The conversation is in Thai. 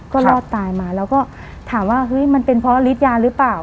ก็รอดตายมาแล้วก็ถามว่าเฮ้ยมันเป็นเพราะฤทธิยาหรือเปล่า